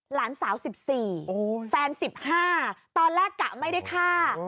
หลานสาว๑๔แฟน๑๕ตอนแรกกะไม่ได้ฆ่า